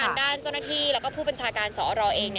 ผ่านด้านเจ้าหน้าที่แล้วก็ผู้บัญชาการสรรค์เราเอง